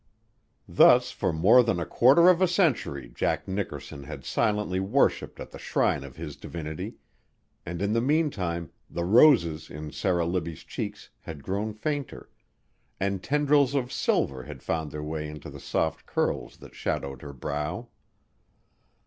Thus for more than a quarter of a century Jack Nickerson had silently worshiped at the shrine of his divinity, and in the meantime the roses in Sarah Libbie's cheeks had grown fainter, and tendrils of silver had found their way into the soft curls that shadowed her brow.